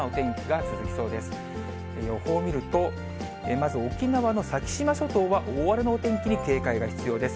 予報を見ると、まず沖縄の先島諸島は、大荒れのお天気に警戒が必要です。